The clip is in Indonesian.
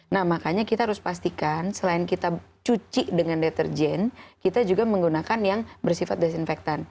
nah makanya kita harus pastikan selain kita cuci dengan deterjen kita juga menggunakan yang bersifat desinfektan